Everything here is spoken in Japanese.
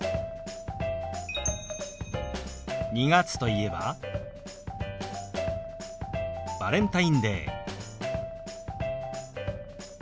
２月といえば「バレンタインデー」。